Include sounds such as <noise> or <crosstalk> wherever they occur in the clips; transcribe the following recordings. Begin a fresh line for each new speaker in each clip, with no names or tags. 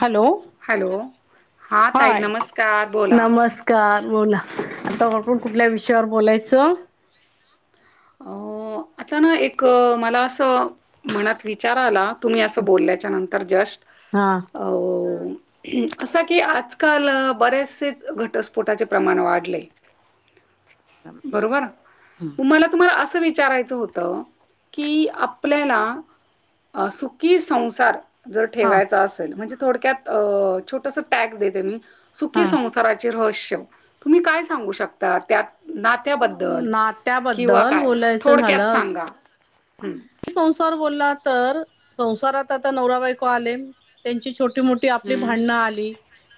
Hello,
hello हा ताई
hi
नमस्कार बोला
नमस्कार. बोला आता आपण कुठल्या विषयावर बोलायचं?
अ आता ना एक मला असं मनात विचार आला- तुम्ही असं बोलल्याच्यानंतर जस्ट-
हा
् असं की आजकाल बरेचसेच घटस्फोटाचे प्रमाण वाढले.
<inaudible>
बरोबर तुम्हाला - अस विचारायचं होत की आपल्याला- सुखी संसार. जर
हा
ठेवायच असेल म्हणजे थोडक्यात छोटस टॅग देते मी. सुखी
हा
संसाराचे रहस्य तुम्ही काय सांगू शकता त्यात- नात्याबद्दल किंवा
नात्याबद्दल
काय थोडक्यात सांगा. हं.
ते संसार- <inaudible> तर संसारात आता नवरा बायको आले त्यांची छोटी- मोठी आपली
हं.
भांडणं आली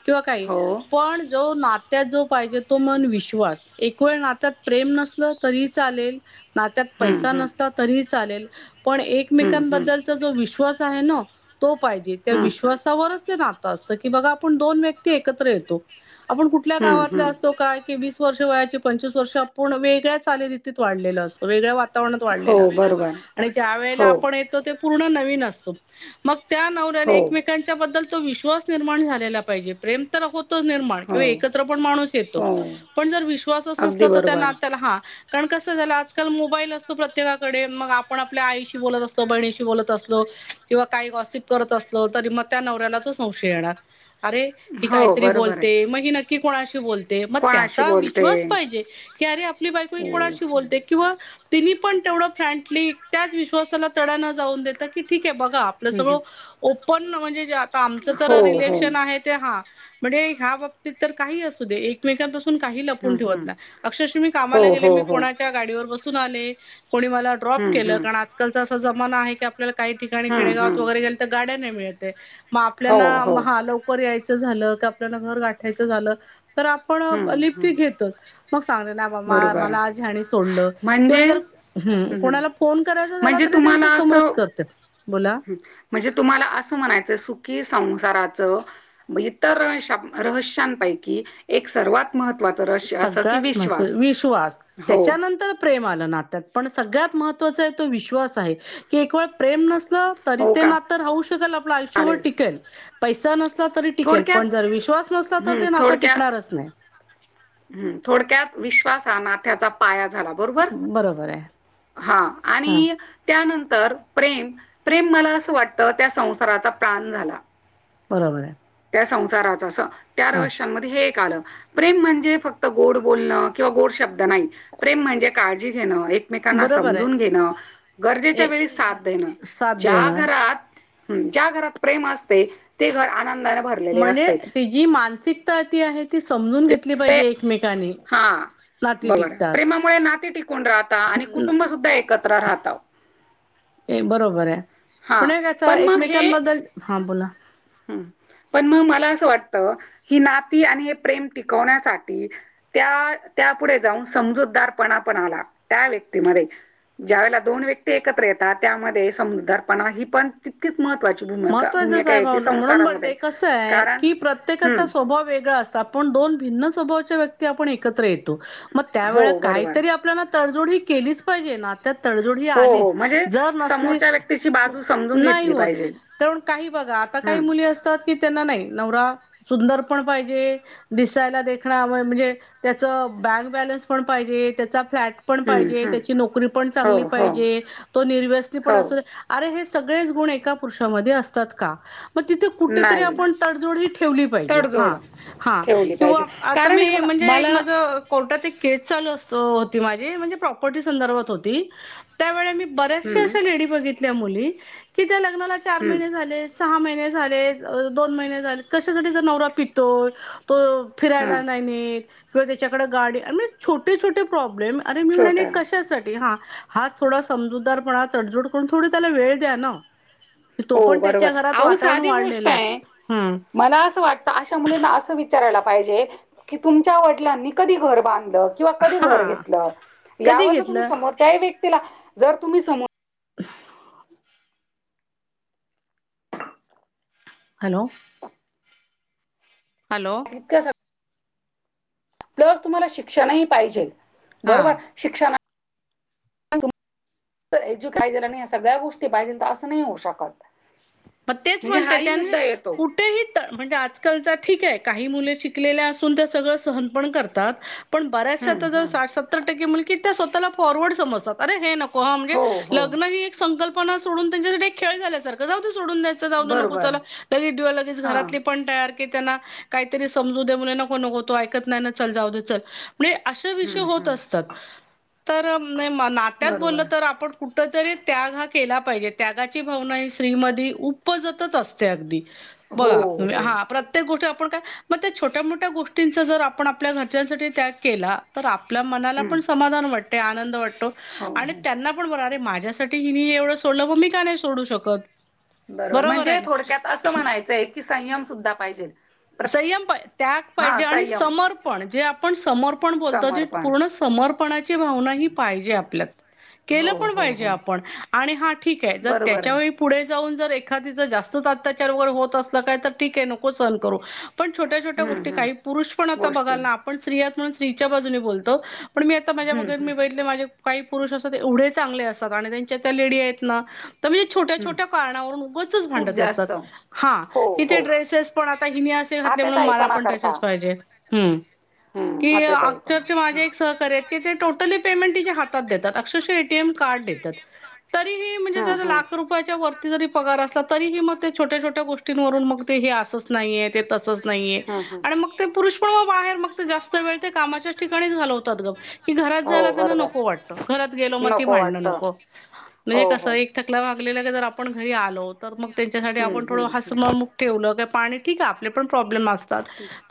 किंवा काही.
हो.
पण जो ना- त्यात जो पाहिजे तो मन विश्वास. एक वेळ नात्यात प्रेम नसल तरी चालेल. नात्यात
हं,
पैसा
हं.
नसला तरी चालेल. पण
हं, हं.
एकमेकांबद्दलचा जो विश्वास आहे ना. तो पाहिजे त्या
हं.
विश्वासावरच- नातं असतं, की बघा आपण दोन व्यक्ती एकत्र येतो, आपण कुठल्या
हं,
गावातील
हं.
असतो काय- वर्ष वयाची पंचवीस वर्ष आपण वेळ्या चालीरीतीत वाढलेला असतो. वेगळ्या वातावरणात
हो,
वाढलेलं असतो.
बरोबर.
आणि ज्या वेळेला
हो.
आपण येतो ते पूर्ण नवीन असतो, मग त्या नवऱ्याने
हो.
एकमेकांच्या बद्दल तो विश्वास निर्माण झालेला पाहिजे, प्रेम तर हो- निण
हो.
किंवा एकत्र पण माणू येतो,
हो.
पण जर विश्वासच
अगदी
नसला तर त्या
बरोबर.
नातला हा- कारण कसं झालं आजकाल मोबाईल असतो प्रत्येका- कडे मग आपण आपल्या आईशी बत असलो बहिणीशी बत असलो किंवा काही गॉसिप करत असलो तरी- त्या नवऱ्याला तो संशय येणार, अरे ही
हो
काहीतरी
बरोबर आहे.
बोलते, मग ती नक्की कोणाशी बोलते? मग
कोणाशी
त्याचा
बोलते?
विश्वास पाहिजे की, अरे आपली बायको कोणाशी बोलते किंवा तिनी पण तेवढं फ्रँकली त्याच विश्वासाला तडाणा जाऊन देत की ठीक बघा आपलं सगळं ओपन म्हणजे आता आमच तर
हो, हो.
रिलेशन आहे ते हा म्हणजे ह्या बाबतीत तर काही असू दे एकमेकांपासून काही लपून
हं,
ठेवत
हं.
ना अक्षरश मी
हो, हो. हं, हं. हो,
कामाला गेले
हो,
मी
हो.
कोणाच्या गाडीवर बसून आले. कोणी मला ड्रॉप
हं,
केलं
हं.
कारण आजकालचा असा जमाना आहे आपल्याला काही ठिकाणी
हं,
खेडेगावात
हं.
वगैरे गेले तर गाड्या मिळतय मग आपल्या
हो, हो.
हा लवकर यायचं झालं क आपल्या घर गाठायचं झालं. तर आपण
हं,
लिप्टी
हं.
घेतो. ांग ना
बरोबर.
मला आज ह्यांनी सोडलं किंवा
म्हणजे?
जर हम्म कोणाला फोन करायचा झाला
म्हणजे
तरी
तुम्हाला
त्यांच्या
अस
समोरच करत्यात. बोला
म्हणजे तुम्हाला असं म्हणायचं कि संसाराचं इतर रहस्य पैकी एक सर्वात महत्वाच रहस्य असं की
सगळ्यात
विश्वास
महत्त्व विश्वास
हो,
त्याच्यानंतर प्रेमात नात्यात पण सगळ्यात महत्त्वाचा विश्वास आहे एक वेळ प्रेम नसलं तर. पैसा नसला तरी
हो
ते
का?
नातं राहु शकेल आयुष्यभर
चालेल.
टिकेल पैसा नसला तरी टिकेल पण
थोडक्यात
जर विश्वास नसला तर ते नाता टिकणारच नाही.
हम्म थोडक्यात विश्वास ह नात्याचा पाया बरोबर
बरोबर आहे
हा
हा
आणि त्यानंतर तर प्रेम प्रेम मला असं वाटतं त्या संसाराचा प्राण झाला.
बरोबर आहे.
संसाराच अस त्या
हा
रहस्य मध्ये हे आल, प्रेम म्हणजे फक्त गोड बोलणं किंवा गोड शब्द नाही प्रेम म्हणजे काळजी घेणं. एकमेकांना
बरोबर आहे.
समजून घेणं गरजेच्या
ए
वेळी साथ देणं
साथ
ज्या
देणार
घरात हम - ज्या घरात प्रेम असते ते घर आण
म्हणजे ती जी मानसिकता ती आहे ती स समजून घेतली पाहिजे एकमेकानी.
बरोर प्रेमामुळे नाते टिकून राहता आणि कुटुंब सुद्धा एकत्र राहत.
एक बरोबर आहे.
हा
हे कसं
पण मग हे
एकमेकांबद्दल हा बोला.
पण मग मला अस वाटत की नाती ही आणि प्रेम टिकवण्यासाठी त्या पुढे जाऊन समजूतदारपणा पण आला त्या व्यक्तीमध्ये ज्यावेेळेला दोन व्यक्ती एकत्र येतात त्यामध्ये समजुदारपणा ही पण तितकीच महत्त्वाची भूमिका
महत्त्वाचं
भूमिका
साहेब
येते
म्हणून बते
संसारामध्ये.
कसं आहे,
कारण
की प्रत्येकाचा
हं.
स्वभाव वेगळा असा आपण दोन भिन्न स्वभावाच्या व्यक्ती आपण एकत्र येतो मग त्यावेळेला
हो, बरोबर.
काहीतरी आपल्याला तडजोड ही केलीच पाहिजे ना त्या तडजोड ह
हो, हो.
आलीच
म्हणजे
जर नसली
समोरच्या व्यक्तीची बाजू समजून
नाही
घेतली
होत
पाहिजे.
तर काही बघा, आता काही
हं.
मुली असतात की त्यांना नाही नवरा सुंदर पण पाहिजे, दिसायला देखण म्हणजे त्याचं बँक बॅलन्स पण पाहिजे त्याचा फलॅट पण
हं,
पाहिजे,
हं.
त्याची नोकरी पण
हो,
चांगली
हो.
पाहिजे, तो निर्वसनि पण
हो.
असले पाहिजे, अरे सगळेच गुण एका पुरुषामध्ये असतात का? मग तिथे कुठेतरी
नाही.
आपण तडजोड ठेवली पाहिजे
तडजोड
हा, हा
ठेवली पाहिजे
किंवा आ
कारण हे
मी
बघा
म्ह एक
मला
माजा कोर्टात केस चालू अस होती माझी म्हणजे प्रॉपर्टी संदर्भात होती त्यावेळी मी बऱ्याचशा
हं,
अशा लेडी बघितल्या मुली त्या लग्नाला चार
हं,
महिने झाले सहा महिने झाले, दोन महिने झाले, कशासाठी नवरा पितोय तो फिरायला
हं,
नाही नेत किंवा त्याच्याकडे गाडी आणि म्हणजे छोटे छोटे प्रॉब्ले प्रॉब्लेम अरे मी म्हणा
छोटा
कशासाठी.? हा हा थोडा समजूतदारपणा तडजोड करून थोड त्याला वेळ द्या ना तो
हो
पण
बरोबर
त्याच्या घरात
अहो
वातावरण
साधी गोष्ट
वाढलेलं आहे ह
मला असं वाटतं अशा मुलींना असं विचारायलात की तुमच्या वडिलांनी कधी घर बांध किंवा कधी घर
हा
घेत
कधी
यावर तुम्ही
घेतलं
समोरच्या व्यक्तीला जर तुम्ही समो
हॅलो हॅलो
इतकं प्लस तुम्हाला शिक्षणही पाहिजे
हा
बरोबर शिक्षणा हॅलो हजू काहिजेल आणि या सगळ्या गोष्टी पाहिजे तर असं नाही होऊ शकत
मग तेच
म्हणजे
म्हणते
हाही
त्याने
मुद्दा येतो
कुठेही म्हणजे आजकालचा ठीक आहे काही मुले शिकलेल्या असून त्या सगळं सहन पण करतात पण बऱ्याचशा
हं,
आता जर
हं.
साठ सत्तर टक्के मुलगी त्या स्वतःला फॉरवर्ड समजतातरे हे नक म्हे
हो हो
लग् ही एक संकल्पना सोडून त्यांच्यासाठी खेळ झाल्यासारखं जाऊ सोडून द्यायच जाऊ न नको
बरोबर.
चला लगे दिवर्स लगेच
हां.
घरातले पण तयार की त्यांना काहीतरी समजू दे म्ह नको नको तो ऐकत नाही ना चल जाऊ दे चल म्हणजे अे विषय
हं,
होत
हं.
असतात तर नात्यात बोलल
बरोबर.
तर आपण कुठ कुठ तरी त्याग हा केला पाहिजे त्यागाची भावना ही स्त्रीमध्येध उपजतच असते अगदी बघ
हो,
तुम्ही
हो.
हा प्रत्येक गोष्टी मग त्या छोट्या मोठ्या गोष्टींचा जर आपण आपल्या घरच्यांसाठी त्या केला तर आपल्या मनाला
हं.
पण समाधान वाटते आनंद वाटतो
हो,
आणि
हो.
त्यांना पण बरे माहि माझ्यासाठी हि म एवढं सोडलं मी का नाही सोडू शकत
बरोबर
आहे
म्हणजे
ना?
थोडक्यात असं म्हणायचंय की संयम सुद्धा पाहिजे प्रत
संयम त्याग
हां,
पाहिजे आणि
संयम,
समर्पण जे आपण समर्पण बोलतो ते
समर्पण.
पूर्ण सम समर्पणाची भावना ही पाहिजे आपल्यात केलं
हो,
पण
हो,
पाहिजे
हो.
आपण आणि हा ठीक आहे जर
बरोबर
त्याच्या
आहे.
वळी पुढे जाऊन जर एखा जास्त अत्याचार वर होत अस काय तर ठीके नको स करू पण छोट्या छोट्या
हं,
गोष्टी
हं.
काही पुरुष पण आता
गोष्टी.
बघाल ना आपण स्त्रीयाह म्हणून स्त्रीच्या बाजूने बोलतो पण मी आता माझ्या
हं,
वगैर
हं.
मी बैठले माझे काही पुरुष असतात एवढे चांगले असतात आणि त्यांच्या त्या लेडी आहेत ना म्हणजे छोट्या
हं.
छोट्या कारणावरून उगच
खूप
भांडत असतात
जास्त.
हा
हो,
इथे
हो.
ड्रेसेस पण आता हि असे घातले म्हणून मला
आतेताईपणा
पण तसेच
करता.
पाहिजे हम
हम्म,
की
आतेताईपणा.
अक्षरशः
हं.
माझे एक सहकार्य आहेत की ते टोटली पायमेन्ट तिज्या हातात देतात अक्षरशः य टी यम कार्ड देतात तरीही
हं, हं.
लाक रुपये जरी पगार असला तरीही मग ते छोट्या छोट्या गोष्टींवरून मग ते हे असच नाहीये ते तसंच नाहीे
हं, हं.
आणि मग ते पुरुष पण म बाहेर मग ते जास्त वेळ ते कामाच्या ठिकाणी च घालवतात गा की घरात जायला
हो
त्यांना
बरोबर.
नको वाटतं,
जरा
घरात गेलो मग
नको
ती भांडणं
वाटतं.
नको
भांडणं.
म्हणजे
हो
कसं
हो.
एक थकला वागला थकलेलं आपण घरी आलो तर मग त्यांच्यासाठी
हम्म
आपण थोडं
हम्म हम्म.
हसमुख ठेवलं तर पाणी ठीक आहे आपले पण प्रॉब्लेम असतात,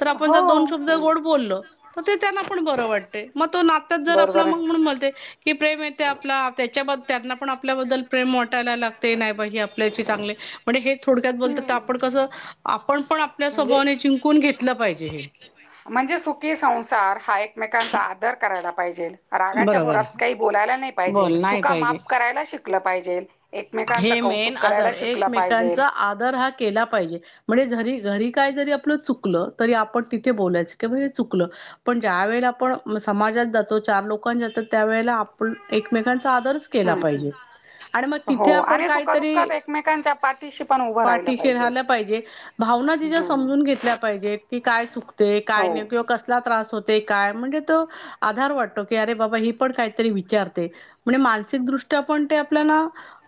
तर आपण
हो
जर दोन शब्द
हम्म.
गोड बोललो तर ते त्यांना पण बरं वाटतंय मग तो ना तच जर आप
बरोबर आहे.
मग म्हणून म्हणते कि प्रेम येते आपला त्याच्याबद्ल त्यांना पण आपल्याबद्दल प्रेम वाटायला लागते नाही बा ही आपल्याशी चांगले आहे म्हणे हे थोडक्यात बोलतां तर
हम्म.
आपण कसं.. आपण पण आपल्या
म्हणजे
स्वभावाने जिंकून घेतलं पाहिजे हे
म्हणजे सुखी संसार हा एकमेकांचा आदर करायला पाहिजेल. रागाच्या
बरोबर
भोरात काही बोलायला नाही पाहिजेल,
बोल नाही
चुका
पाहिजे
माफ करायला शिकलं पाहिजेल एकमेकांच
हे मेन आदर एकमेकांचा आदर हा केला पाहिजे म्हणजे जरी घरी काय जरी आपलं चुकलं तरी आपण तिथे बोलायच चुकलं पण ज्या वेळेला आपण समाजात जातो, चार लोक जातो त्या वळेला आपण एकमेकांचा आदरच केला
हम्म
पाहिजे
हम्म
आणि मग
हो
तिथे आपण
आणि
काहीतरी...
सुखदुःखात एकमेकांच्या पाठीशी पण उभं
पाठीशी
पाहिजे.
राहिलं पाहिजे भावना तिच्या
हम्म
समजून घेतल्या पाहिजेत की काय चुकते काय
हो
नाही किंवा कसला त्रास होते काय म्हणजे तो आधार वाटतो. अरे बाबा ही पण काहीतरी विचारते. म्हणजे मानसिकदृष्ट्या पण ते आपल्याला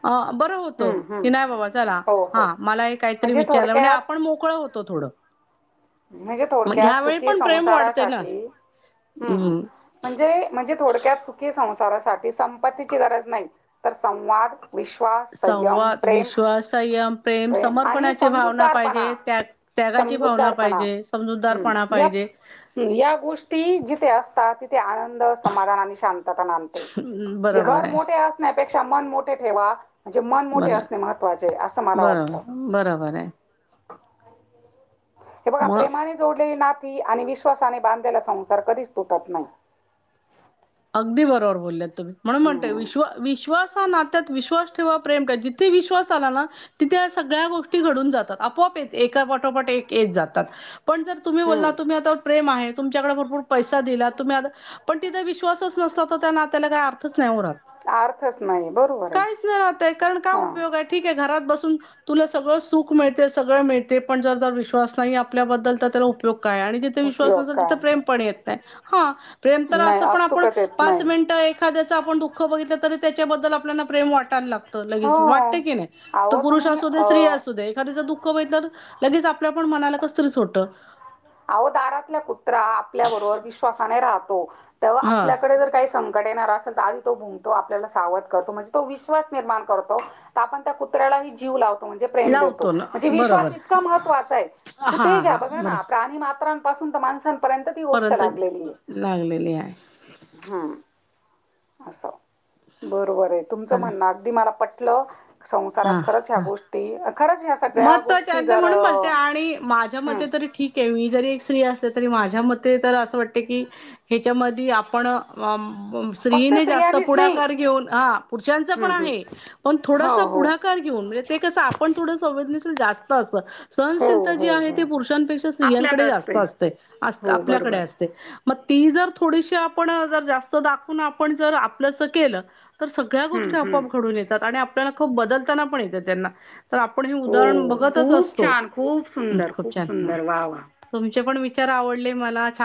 अ बरं होत
हम्म हम्म
की नाही बाबा चला
हो हो
हा मला हे काहीतरी
म्हणजे
विचारलं म्हणजे
थोडक्यात
आपण मोकळं होत तो थोडं
म्हणजे
मग
थोडक्यात
ह्यावेळी
सुखी
पण प्रेम वाढते ना.
संसारासाठी हुं हुं
हम्म
म्हणजे म्हणजे थोड त्यात सुखी संसारासाठी संपत्तीची गरज नाही. तर संवाद विश्वास, संयम,
संवाद,
प्रेम
विश्वास, संयम, प्रेम,
आणि
समर्पणाची भावना पाहिजे.
समजूतदारपणा
त्या त्यागाची भावना पाहिजे.
हम्म
समजूतदारपणा
हम्म या
पाहिजे.
या गोष्टी जिथे असतात तिथे आनंद, समाधान आणि शांतता नांदते.
हम्म,
म्हणजे
बरोबर
घर
आहे.
मोठे असण्यापेक्षा पेक्षा मन मोठे ठेवा. म्हणजे मन मोठे
बरोबर.
असणे महत्त्वाचे असं मला वाटतं.
बरोबर <inaudible>
हे बघा
मग
प्रेमाने जोडलेली नात ती आणि विश्वासाने बांधलेला संसार कधीच तुटत नाही.
अगदी बरोबर बोलल्यात तुम्ही म्हणून म्हणतोय
हम्म
विश्व विश्वास नात्यात विश्वास ठेवा, प्रेम काय जिथे विश्वास आला ना तिथे सगळ्या गोष्टी घडून जातात. आपोआप एका पाठोपाठ एक येत जातात. पण जर तुम्ही
हम्म
बोलला तुम्ही आता प्रेम आहे, तुमच्याकडे भरपूर पैसा दिला, तुम्ही पण तिथं विश्वास सच नसता तर त्या नात्याला काय अर्थच नाही उरत
अर्थच नाही बरोबर आहे
काहीच नाही ना ताई कारण काय
हा
उपयोग आहे. ठीक आहे घरात बसून तुला सगळं सुख मिळते, सगळं मिळते, पण जर जर विश्वास नाही आपल्याबद्दल तर त्याला उपयोग काय आणि जिथे विश्वास
उपयोग
नसेल तिथं
काय
प्रेम पण येत नाही. हा प्रेम तर
नाही
असं पण आपण
आपसुकच येत
पाच
नाही
मिनटं एखाद्याचं आपण दुःख बघितलं तरी त्याच्याबद्दल आपल्याला प्रेम वाटायला लागतं.
हो
लगेच वाटत की नाही? तो
अहो
पुरुष
तुम्ही
असू दे, स्त्री
अ
असू दे एखाद्याचे दुः ख बघितल्यावर लगेच आपल्या पण मनाला कसंतरीच होतं.
अहो, दारातल्या कुत्रा आपल्याबरोबर विश्वासाने राहतो. तेव्हा
हा
आपल्याकडे जर काही संकट येणार असेल तर आधी तो भुंगतो, आपल्याला सावध करतो. म्हणजे तो विश्वास निर्माण करतो. आपण त्या कुत्र्याला जीव लावतो. म्हणजे प्रेम देतो
लावतो ना
म्हणजे
बरोबर
विश्वास इतका महत्वाचा आहे.
हा
कुठे ही घ्या
हा
बघा ना प्राणी मात्रांपासून ते माणसां पर्यंत ती गोष्ट
बरोपर्यंत
लागलेली आहे.
लागलेली आहे
हम्म अस बरोबर आहे तुमचं
चालेल
म्हणणं अगदी मला पटलं. संसारात
हा
खरंच ह्या
हा
गोष्टी खरंच ह्या सगळ्या
महत्वाचे
गोष्टी
आहेत
जर
म्हणून बोलते आणि माझ्या
हुं
मते तरी ठीक मी जरी एक स्त्री असले तरी माझ्या मते तर असं वाटते कि ह्याच्यामध्ये आपण
फक्त
स्त्रीने जास्त
स्त्रियांनीच नाही
पुढाकार घेऊन हा पुरुषांच पण
हं, हं.
आहे पण थोडस
हो, हो.
पुढाकार घेऊन म्हणजे ते कसं आपण थोडं संवेदनशील जास्त असत
हो,
सहनशीलता जी
हो,
आहे ते
हो.
पुरुषांपेक्षा स्त्रियांकडे जास्त असते.
हो,
आपल्याकडे
बरोबर.
असते. मग ती जर थोडीशी आपण जर जास्त दाखवून आपण जर आपलस केलं तर सगळ्या
हं,
गोष्टी
हं.
आपआप घडून येतात. आणि आपल्याला खूप बदलताना पण येतं त्यांना. तर आपण हे
हो.
उदाहरण बघतच
खूप
असतो.
छान, खूप सुंदर,
खूप छान ह
सुंदर. वाह, वाह!
तुमचे पण वि चार आवडले मला. छा